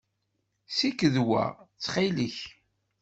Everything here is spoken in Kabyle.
Ssiked wa, ttxil-k.